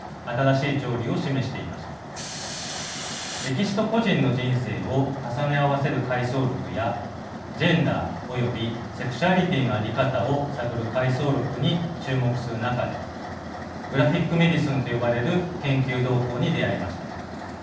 歴史と個人の人生を重ね合わせる回想録やジェンダーおよびセクシュアリティーの在り方を探る回想録に注目する中でグラフィック・メディスンと呼ばれる研究動向に出会いました。